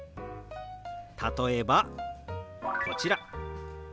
例えばこちら。